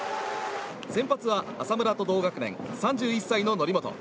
先発は浅村と同学年３１歳の則本。